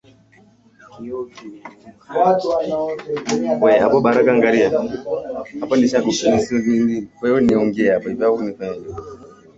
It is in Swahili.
na mwenye kuvutia zaidi na mara nyingine bila kujali matokeo